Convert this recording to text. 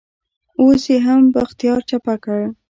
اوس يې هم بختيار چپه کړ.